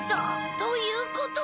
ということは。